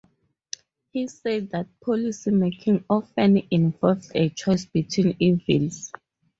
He said that policy making often involved a choice between 'evils'.